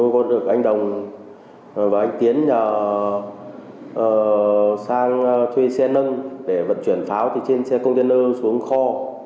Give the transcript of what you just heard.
tôi có được anh đồng và anh tiến sang thuê xe nâng để vận chuyển pháo trên xe container xuống kho